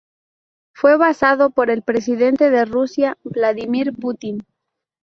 Fue basado en el presidente de Rusia Vladímir Putin.